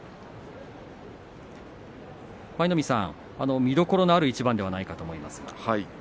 舞の海さん、見どころのある一番ではないかと思いますが。